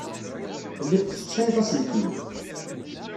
Telliḍ tessexsayeḍ aselkim.